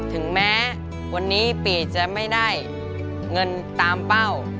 ถึงแม้วันนี้ปีจะไม่ได้เงินตามเป้า